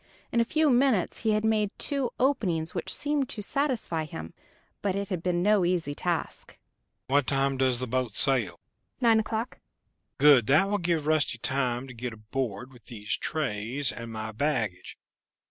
In a few minutes he had made two openings which seemed to satisfy him, but it had been no easy task. "What time does the boat sail?" "Nine o'clock." "Good. That will give Rusty time to get aboard with these trays and my baggage.